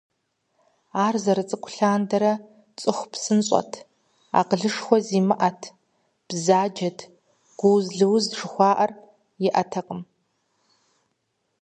Ар зэрыцӏыкӏу лъандэрэ цӀыху псынщӀэт, акъылышхуэ зимыӀэт, бзаджэт, гууз-лыуз жыхуаӏэр ищӏэтэкъым.